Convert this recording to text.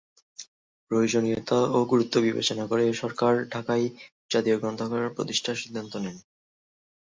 প্রয়োজনীয়তা ও গুরুত্ব বিবেচনা করে সরকার ঢাকায় জাতীয় গ্রন্থাগার প্রতিষ্ঠার সিদ্ধান্ত নেয়।